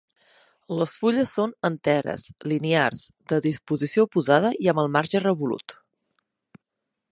Les fulles són enteres, linears, de disposició oposada i amb el marge revolut.